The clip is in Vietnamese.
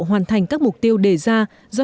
hoàn thành các mục tiêu đề ra do